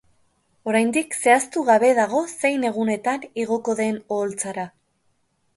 Oraindik zehaztu gabe dago zein egunetan igoko den oholtzara.